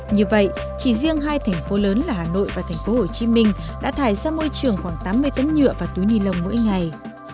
như vậy chỉ riêng hai thành phố lớn là hà nội và thành phố hồ chí minh đã thải ra môi trường khoảng tám mươi tấn nhựa và túi ni lông mỗi ngày